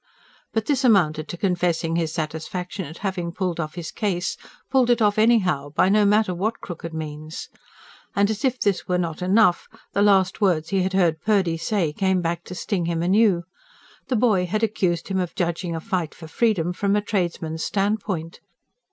But this amounted to confessing his satisfaction at having pulled off his case, pulled it off anyhow, by no matter what crooked means. And as if this were not enough, the last words he had heard Purdy say came back to sting him anew. The boy had accused him of judging a fight for freedom from a tradesman's standpoint.